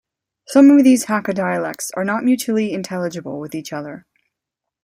Some of these Hakka dialects are not mutually intelligible with each other.